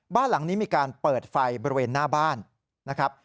บ้านหลังนี้มีการเปิดไฟบริเวณหน้าบ้านนะครับ